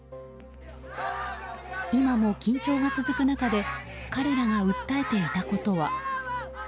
今も緊張が続く中で彼らが訴えていたことは。